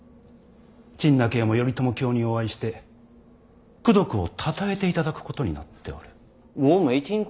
陳和も頼朝卿にお会いして功徳をたたえていただくことになっておる。